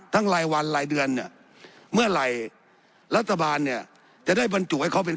ทั้งรายวันรายเดือนเมื่อไหลรัฐบาลเนี่ยจะได้บรรจบุให้เขาเป็น